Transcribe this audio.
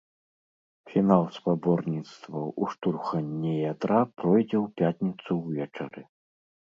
Фінал спаборніцтваў у штурханні ядра пройдзе ў пятніцу ўвечары.